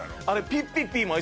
ピッピッピ。